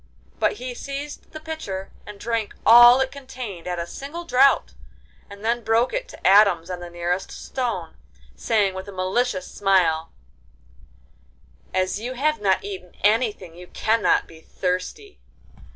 But he seized the pitcher and drank all it contained at a single draught, and then broke it to atoms on the nearest stone, saying with a malicious smile: 'As you have not eaten anything you cannot be thirsty.